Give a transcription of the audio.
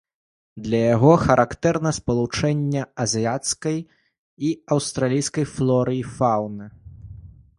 Для яго характэрна спалучэнне азіяцкай і аўстралійскай флоры і фаўны.